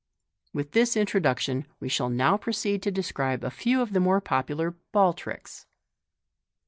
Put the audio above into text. With this introduction, we shall now proceed to describe a few of the most popular " ball tricks."